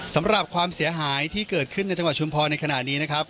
ความเสียหายที่เกิดขึ้นในจังหวัดชุมพรในขณะนี้นะครับ